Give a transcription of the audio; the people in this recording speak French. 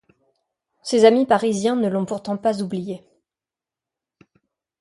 Ses amis parisiens ne l'ont pourtant pas oublié.